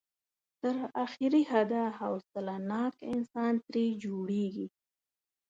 تر اخري حده حوصله ناک انسان ترې جوړېږي.